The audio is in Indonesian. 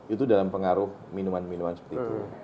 itu dalam pengaruh minuman minuman seperti itu